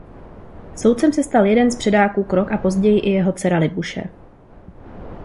Soudcem se stal jeden z předáků Krok a později i jeho dcera Libuše.